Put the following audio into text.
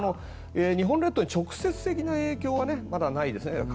日本列島に直接的な影響はまだないですね。